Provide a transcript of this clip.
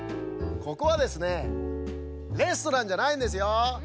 ここはですねレストランじゃないんですよ。